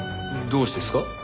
どうしてですか？